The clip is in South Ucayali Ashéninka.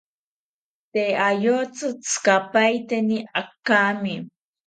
Tee ayotzi tzikapaeteni akami